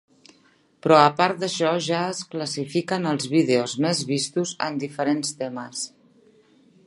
Però a part d'això ja es classifiquen els vídeos més vistos en diferents temes.